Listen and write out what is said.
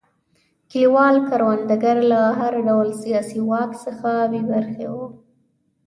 کلیوال کروندګر له هر ډول سیاسي واک څخه بې برخې وو.